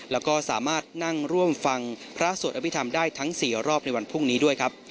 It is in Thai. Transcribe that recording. แล้วก็สามารถนั่งร่วมฟังพระสวดอภิษฐรรมได้ทั้ง๔รอบในวันพรุ่งนี้ด้วยครับ